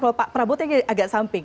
kalau pak prabowo tadi agak samping